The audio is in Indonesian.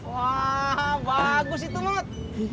wah bagus itu mot